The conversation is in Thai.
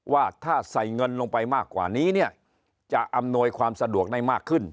ว่าถ้าใส่เงินลงไปมากกว่านี้เนี่ยจะอำนวยความสะดวกได้มากขึ้น